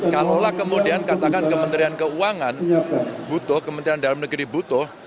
kalaulah kemudian katakan kementerian keuangan butuh kementerian dalam negeri butuh